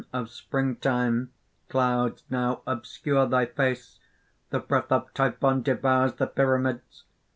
] "Sim of Springtime, clouds now obscure thy face! The breath of Typhon devours the pyramids.